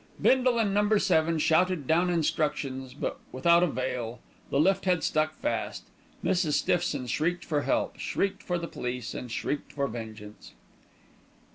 Bindle and Number Seven shouted down instructions; but without avail. The lift had stuck fast. Mrs. Stiffson shrieked for help, shrieked for the police, and shrieked for vengeance.